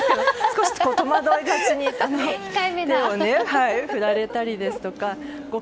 少し戸惑いがちに手を振られたりとかご